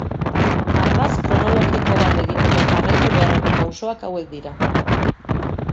Ardatz kronologiko bat egiteko jarraitu beharreko pausoak hauek dira.